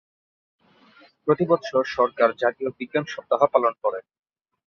প্রতি বৎসর সরকার জাতীয় বিজ্ঞান সপ্তাহ পালন করে।